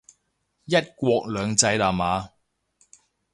一國兩制喇嘛